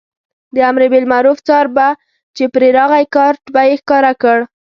د امربالمعروف څار به چې پرې راغی کارټ به یې ښکاره کړ.